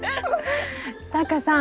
タカさん